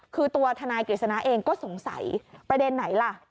คือตัวทนายกฤษณะเองก็สงสัยประเด็นไหนล่ะ